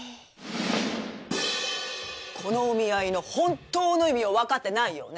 このお見合いの本当の意味をわかってないようね。